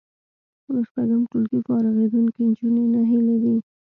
له شپږم ټولګي فارغېدونکې نجونې ناهیلې دي